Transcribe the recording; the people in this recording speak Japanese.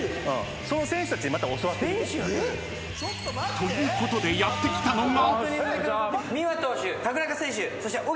［ということでやって来たのが］